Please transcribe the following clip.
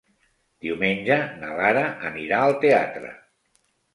Diumenge na Lara anirà al teatre.